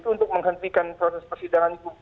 untuk menghentikan proses persidangan itu